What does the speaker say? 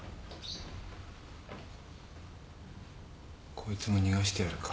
こいつも逃がしてやるか。